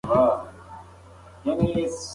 هغه يوازې يو مسافر و چې خپله شتمني يې لېږدوله.